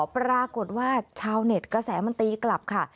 ปรากฏว่าชาวเน็ตกระแสมันตีกลับค่ะ